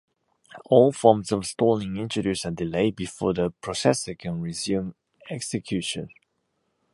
All forms of stalling introduce a delay before the processor can resume execution.